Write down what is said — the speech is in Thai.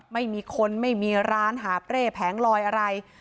ไม่มีคนไม่มีร้านหาเปร่แผงลอยอะไร